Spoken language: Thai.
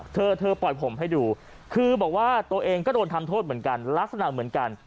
เธอเธอปล่อยผมให้ดูคือบอกว่าตัวเองก็โดนทำโทษเหมือนกันลักษณะเหมือนกัน